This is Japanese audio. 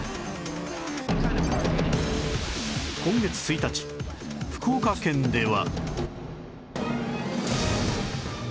今月１日福岡県では